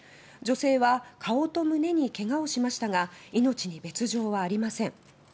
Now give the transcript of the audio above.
女性は顔と胸にけがをしましたが命に別状はありません。